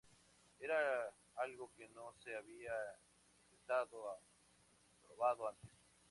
Era algo que no se había intentado o probado antes.